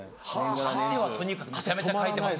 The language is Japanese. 汗はとにかくめちゃめちゃかいてますよね。